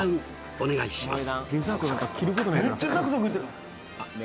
お願いします